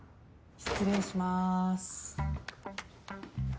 失礼します。